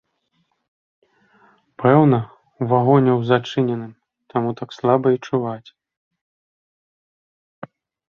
Пэўна, у вагоне ў зачыненым, таму так слаба й чуваць.